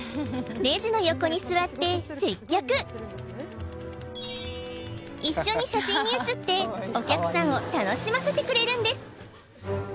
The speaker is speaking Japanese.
レジの横に座って接客一緒に写真に写ってお客さんを楽しませてくれるんです